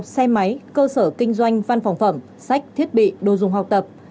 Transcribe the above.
xe máy cơ sở kinh doanh văn phòng phẩm sách thiết bị đồ dùng học tập